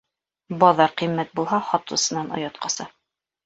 Баҙар ҡиммәт булһа, һатыусынан оят ҡаса